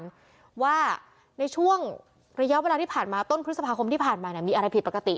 เพราะว่าในช่วงระยะเวลาที่ผ่านมาต้นพฤษภาคมที่ผ่านมามีอะไรผิดปกติ